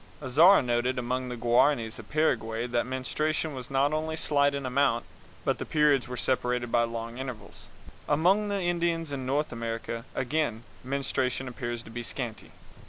Azara noted among the Guaranis of Paraguay that menstruation was not only slight in amount, but the periods were separated by long intervals. Among the Indians in North America, again, menstruation appears to be scanty.